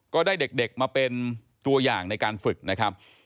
ก็ได้เด็กมาเป็นตัวอย่างในการฝึกนะครับ